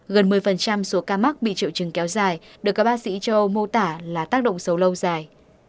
gần một mươi số ca mắc bị triệu chứng kéo dài được các bác sĩ cho mô tả là tác động sâu lâu dài